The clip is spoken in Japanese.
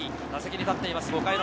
打席に立っています